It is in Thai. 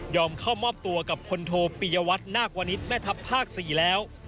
เข้ามอบตัวกับพลโทปิยวัตนาควริษฐ์แม่ทัพภาค๔แล้ว